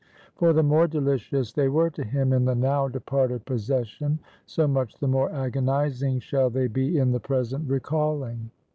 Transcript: For the more delicious they were to him in the now departed possession, so much the more agonizing shall they be in the present recalling.